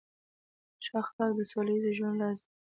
ښه اخلاق د سوله ییز ژوند راز دی.